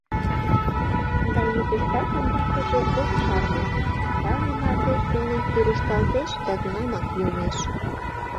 Да йӱкыштат умбакыже ок шарле: тале мардеж дене кӱрышталтеш да тунамак йомеш.